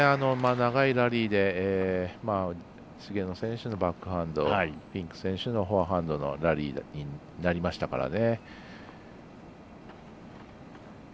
長いラリーで菅野選手のバックハンドフィンク選手のフォアハンドのラリーになりましたからね。